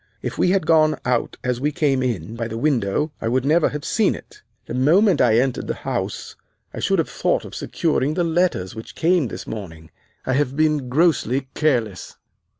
If we had gone out as we came in, by the window, I would never have seen it. The moment I entered the house I should have thought of securing the letters which came this morning. I have been grossly careless.